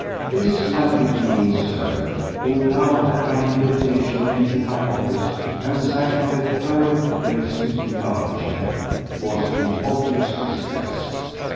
This lovely being, Sir, who now at my invitation entered my office and sank with perfect grace into the arm chair, was in obvious distress.